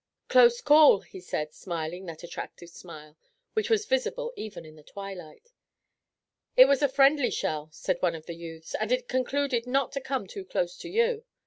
"Close call," he said, smiling that attractive smile, which was visible even in the twilight. "It was a friendly shell," said one of the youths, "and it concluded not to come too close to you.